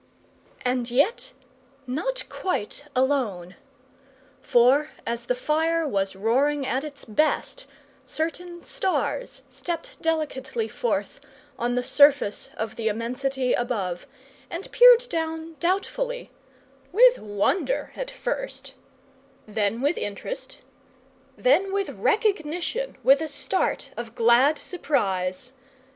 And yet not quite alone! For, as the fire was roaring at its best, certain stars stepped delicately forth on the surface of the immensity above, and peered down doubtfully with wonder at first, then with interest, then with recognition, with a start of glad surprise.